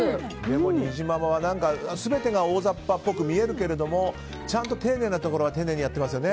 にじままは全てがおおざっぱっぽく見えるけどもちゃんと丁寧なところは丁寧にやってますよね。